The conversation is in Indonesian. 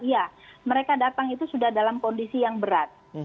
iya mereka datang itu sudah dalam kondisi yang berat